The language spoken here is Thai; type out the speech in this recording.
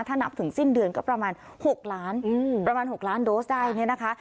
ถ้านับถึงสิ้นเดือนก็ประมาณ๖๐๐๐๐๐๐โดสได้แน่นะคะ